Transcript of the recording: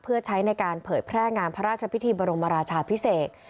เพื่อใช้ในการเผยแพร่งานพระราชพิธีบรมราชาพิเศษ